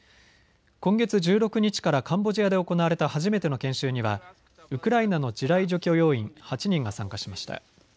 今月１６日からカンボジアで行われた初めての研修にはウクライナの地雷除去要員８人が参加しました。